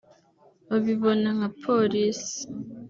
babibona nka Polisi